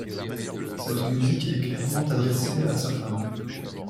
Cette musique est clairement adressée à sa femme.